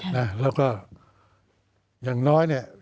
แล้วก็อย่างน้อยเนี่ย